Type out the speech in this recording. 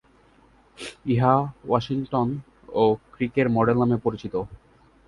ইহা ওয়াটসন ও ক্রিক-এর মডেল নামে পরিচিত।